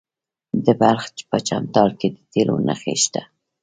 د بلخ په چمتال کې د تیلو نښې شته.